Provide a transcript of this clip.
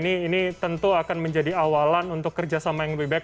ini tentu akan menjadi awalan untuk kerjasama yang lebih baik